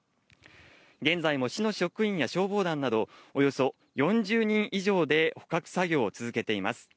現在も市の職員や消防団など、およそ４０人以上で捕獲作業を続けています。